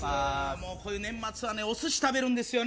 こういう年末はね、おすし食べるんですよね。